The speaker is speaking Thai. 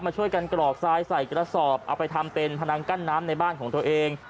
ช่วยกันกรอกทรายใส่กระสอบเอาไปทำเป็นพนังกั้นน้ำในบ้านของตัวเอง